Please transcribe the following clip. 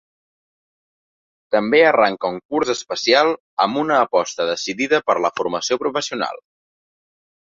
També arranca un curs especial amb una aposta decidida per la formació professional.